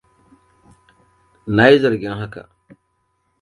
Na yi zargin haka.